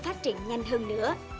phát triển nhanh hơn nữa